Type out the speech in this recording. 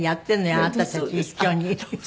あなたたち一緒に。